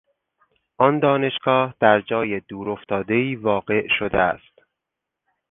آن دانشگاه در جای دورافتادهای واقع شده است.